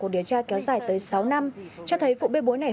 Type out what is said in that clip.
cuộc điều tra kéo dài tới sáu năm cho thấy vụ bê bối này